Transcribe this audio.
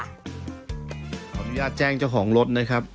ขออนุญาตแจ้งเจ้าของรถนะครับ